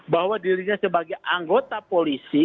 bahwa dirinya sebagai anggota polisi